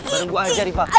bareng gua aja riva